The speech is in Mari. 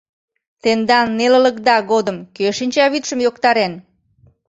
Тендан нелылыкда годым кӧ шинчавӱдшым йоктарен?